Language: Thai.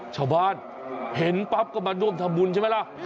ชาวบ้านเห็นปั๊บก็มาร่วมทำบุญใช่ไหมล่ะ